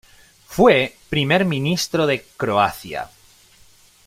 Fue Primer Ministro de Croacia.